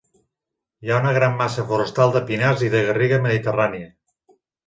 Hi ha una gran massa forestal de pinars i de garriga mediterrània.